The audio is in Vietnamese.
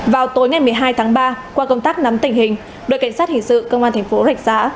vào tối ngày một mươi hai tháng ba qua công tác nắm tình hình đội cảnh sát hình sự công an thành phố rạch giã